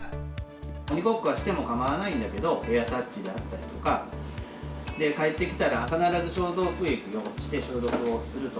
鬼ごっこはしてもかまわないんだけど、エアタッチであったりとか、帰ってきたら必ず消毒液をして、消毒をすると。